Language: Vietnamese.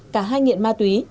cả hai nghiện ma túy